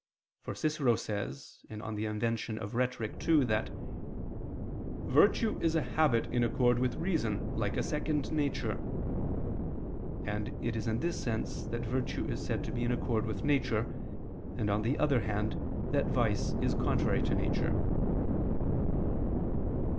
For Cicero says (De Inv. Rhet. ii) that "virtue is a habit in accord with reason, like a second nature": and it is in this sense that virtue is said to be in accord with nature, and on the other hand that vice is contrary to nature.